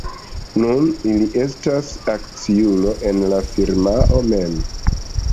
Nun ili estas akciulo en la firmao mem.